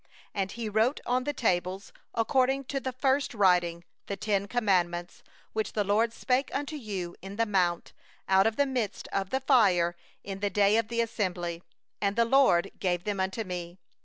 4And He wrote on the tables according to the first writing, the ten words, which the LORD spoke unto you in the mount out of the midst of the fire in the day of the assembly; and the LORD gave them unto me.